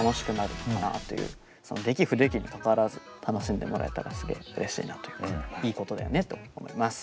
出来不出来にかかわらず楽しんでもらえたらすげえうれしいなというかいいことだよねと思います！